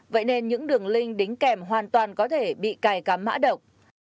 vậy nên những đường link đính kèm hoàn toàn có thể bị cài cắm mã độc